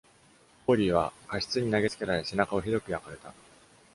コーリーは火室に投げつけられ、背中をひどく焼かれた。